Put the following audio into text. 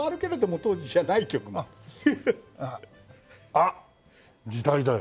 あっ『時代』だよ。